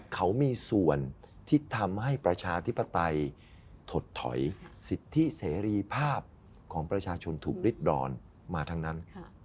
เขามีส่วนที่ทำให้ประชาธิปไตยถดถอยสิทธิเสรีภาพของประชาชนถูกริดรอนมาทั้งนั้น